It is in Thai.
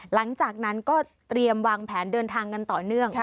หลังจากนั้นก็เตรียมวางแผนเดินทางกันต่อเนื่อง